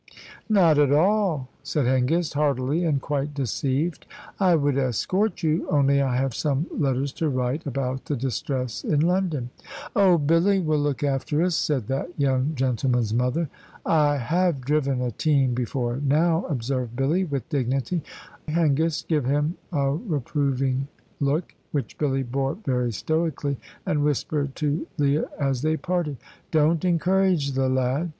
"Not at all," said Hengist, heartily, and quite deceived. "I would escort you, only I have some letters to write about the distress in London." "Oh, Billy will look after us," said that young gentleman's mother. "I have driven a team before now," observed Billy, with dignity. I Hengist gave him a reproving look (which Billy bore very stoically), and whispered to Leah as they parted, "Don't encourage that lad."